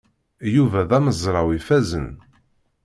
Yuba d amezraw ifazen.